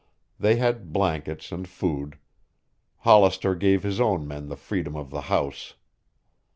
They had blankets and food. Hollister gave his own men the freedom of the house.